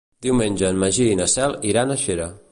Diumenge en Magí i na Cel iran a Xera.